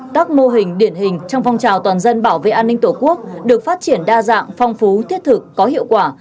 các mô hình điển hình trong phong trào toàn dân bảo vệ an ninh tổ quốc được phát triển đa dạng phong phú thiết thực có hiệu quả